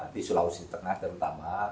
di sulawesi tengah terutama